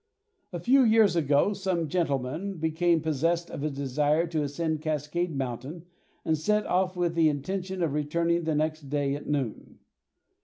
A few years ago some gentlemen became possessed of a desire to ascend Cascade Mountain and set off with the intention of returning the next day at noon.